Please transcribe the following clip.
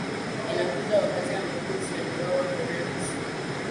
inakuja wakati ambapo uhusiano wao na korea kusini